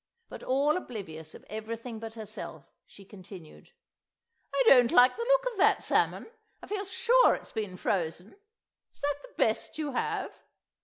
But all oblivious of everything but herself, she continued— "I don't like the look of that salmon. I feel sure it's been frozen. Is that the best you have?